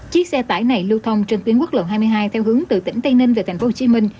chiếc xe tải này lưu thông trên tuyến quốc lộ hai mươi hai theo hướng từ tỉnh tây ninh về tp hcm